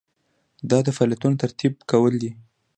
دا د فعالیتونو ترتیب کول دي.